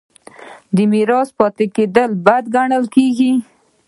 د میرات پاتې کیدل بد ګڼل کیږي.